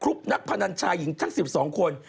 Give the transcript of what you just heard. แต่ฮุบนักพนันชาหญิงทั้งสิบสองคน